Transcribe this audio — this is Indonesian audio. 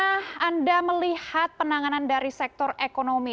profesor ari bagaimana anda melihat penanganan dari sektor ekonomi